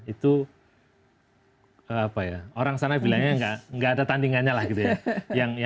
itu apa ya orang sana bilangnya nggak ada tandingannya lah gitu ya